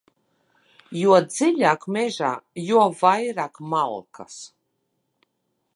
Jo dziļāk mežā, jo vairāk malkas.